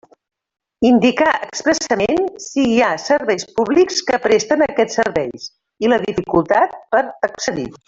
Indicar expressament si hi ha serveis públics que presten aquests serveis i la dificultat per a accedir-hi.